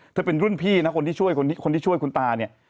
เธอเป็นรุ่นพี่นะคนที่ช่วยคุณตาเนี่ย